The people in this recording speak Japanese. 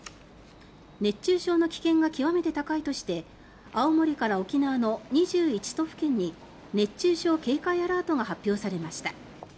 熱中症の危険が極めて高いとして青森から沖縄の２１都府県に熱中症警戒アラートが発表されました。